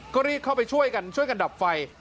ก็รีบเข้าไปช่วยกันช่วยกันดับไฟ